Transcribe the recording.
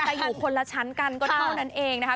แต่อยู่คนละชั้นกันก็เท่านั้นเองนะคะ